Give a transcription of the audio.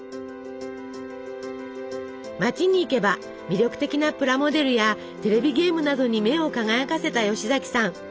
街に行けば魅力的なプラモデルやテレビゲームなどに目を輝かせた吉崎さん。